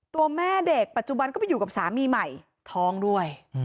ตัวแม่เด็กปัจจุบันก็ไปอยู่กับสามีใหม่ท้องด้วย